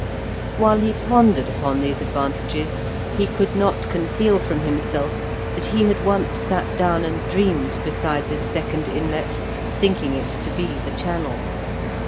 While he pondered upon these advantages he could not conceal from himself that he had once sat down and dreamed beside this second inlet, thinking it to be the channel.